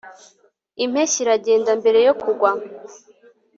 impeshyi iragenda mbere yo kugwa